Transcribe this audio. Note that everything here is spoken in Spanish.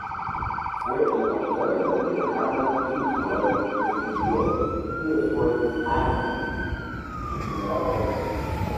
Fue en Australia donde Henry Kingsley escribió "Geoffrey Hamlin", su primera obra.